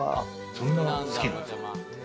そんな子供好きなんですね。